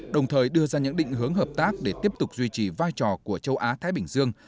đồng thời đưa ra những định hướng hợp tác để tiếp tục duy trì vai trò của châu á thái bình dương